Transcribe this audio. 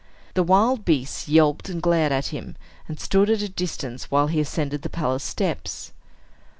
The wild beasts yelped and glared at him, and stood at a distance, while he ascended the palace steps.